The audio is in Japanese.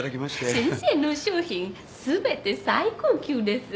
先生の商品全て最高級デス。